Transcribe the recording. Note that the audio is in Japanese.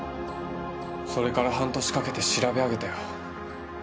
それから半年かけて調べ上げたよ。